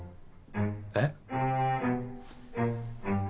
えっ？